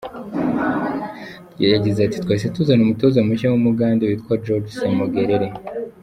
Yagize ati”Twahise tuzana umutoza mushya w’Umugande witwa George Ssemogerere.